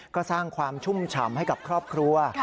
ก็สร้างความชุ่มฉ่ำให้กับครอบครัว